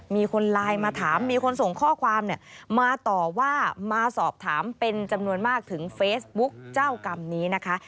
มีคนไลน์มาถามมีคนส่งข้อความมาต่อว่ามาสอบถามเป็นจำนวนมากถึงเฟซบุ๊กเจ้ากรรมนี้นะคะ